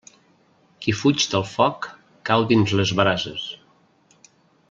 Qui fuig del foc cau dins les brases.